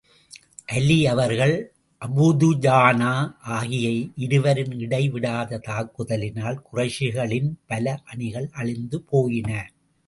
அலீ அவர்கள், அபூதுஜானா ஆகிய இருவரின் இடை விடாத தாக்குதலினால் குறைஷிகளின் பல அணிகள் அழிந்து போயின.